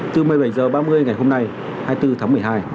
từ một mươi bảy h ba mươi ngày hôm nay hai mươi bốn tháng một mươi hai